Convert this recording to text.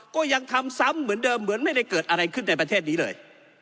ก็ยังทำซ้ำเหมือนเดิมเหมือนไม่ได้เกิดอะไรขึ้นในประเทศนี้เลย